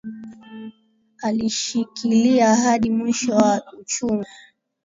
Alishikilia hadi mwisho wa uchungu